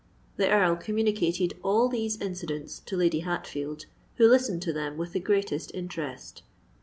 The Earl communicated all these incidents to Lady Hatfield, who listened to them with the greatest interest.